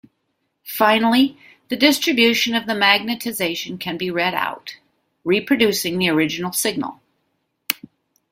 Finally, the distribution of the magnetisation can be read out, reproducing the original signal.